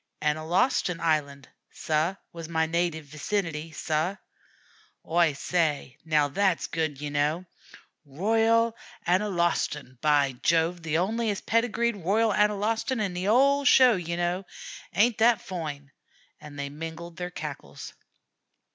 "Analostan Island, sah, was my native vicinity, sah." "Oi say, now, that's good, ye kneow. 'Royal Analostan,' by Jove! The onliest pedigreed 'Royal Analostan' in the 'ole sheow, ye kneow. Ain't that foine?" and they mingled their cackles.